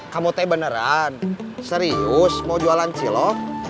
kamu teh beneran serius mau jualan cilok